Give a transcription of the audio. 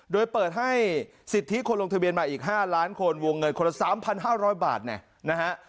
โดยเปิดให้สิทธิคนลงทะเบียนมาอีก๕ล้านคนวงเงินคนละ๓๕๐๐บาทเนี่ยนะฮะ